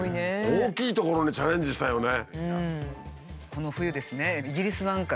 大きいところにチャレンジしたよね。